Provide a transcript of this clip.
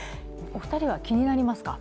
お二人は気になりますか？